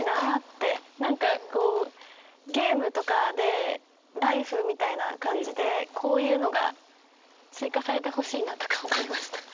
何かこうゲームとかでライフみたいな感じでこういうのが追加されてほしいなとか思いました。